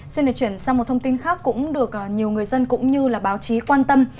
xin được chuyển sang một thông tin khác cũng được nhiều người dân cũng như là báo chí quan tâm